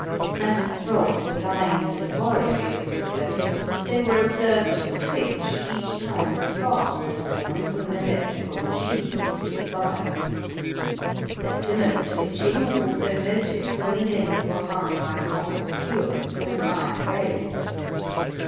As the frogs were lying in the laboratory of the professor they were observed to twitch each time a spark was drawn from an electrical machine that stood by. A similar twitching was also noticed when the limbs were hung by copper skewers from an iron rail.